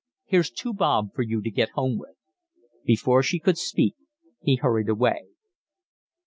"Here's two bob for you to get home with." Before she could speak he hurried away.